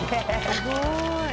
すごい。